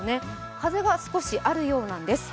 風が少しあるようなんです。